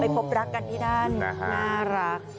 พบรักกันที่นั่นน่ารัก